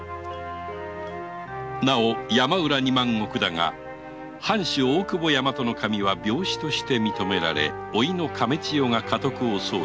なお山浦二万石の藩主・大久保大和守は病死として認められ甥の亀千代が家督を相続した